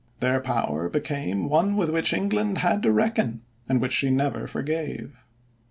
Their power became one with which England had to reckon, and which she never forgave.